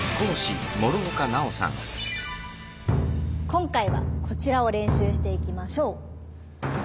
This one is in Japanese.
今回はこちらを練習していきましょう。